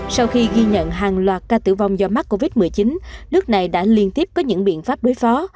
sau khi ghi nhận hàng loạt ca tử vong do mắc covid một mươi chín nước này đã liên tiếp có những biện pháp đối phó